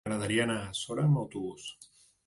M'agradaria anar a Sora amb autobús.